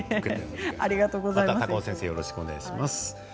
また高尾先生よろしくお願いします。